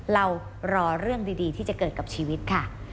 เรารอเรื่องดีที่จะเกิดกับชีวิตค่ะ